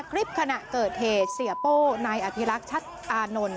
คลิปขณะเกิดเหตุเสียโป้นายอภิรักษ์ชัดอานนท์